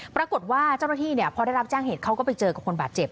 ปรากฏว่าเจ้าหน้าที่พอได้รับแจ้งเหตุเขาก็ไปเจอกับคนบาดเจ็บ